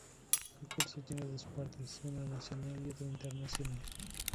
El concurso tiene dos partes, una nacional y otra internacional.